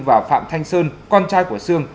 và phạm thanh sơn con trai của sương